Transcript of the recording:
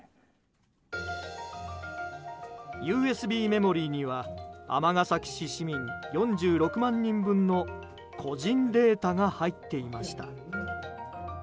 ＵＳＢメモリーには尼崎市市民４６万人分の個人データが入っていました。